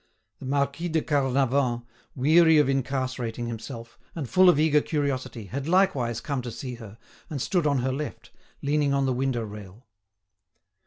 The Marquis de Carnavant, weary of incarcerating himself, and full of eager curiosity, had likewise come to see her, and stood on her left, leaning on the window rail.